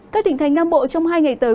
các tỉnh thành nam bộ trong hai ngày tới